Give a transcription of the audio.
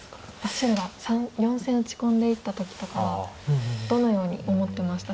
白が４線打ち込んでいった時とかはどのように思ってました？